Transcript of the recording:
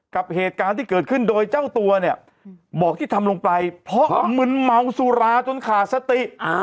กับเหตุการณ์ที่เกิดขึ้นโดยเจ้าตัวเนี่ยบอกที่ทำลงไปเพราะมึนเมาสุราจนขาดสติ